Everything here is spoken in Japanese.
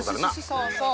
そうそう！